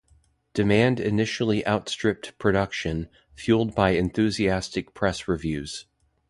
Demand initially outstripped production, fueled by enthusiastic press reviews.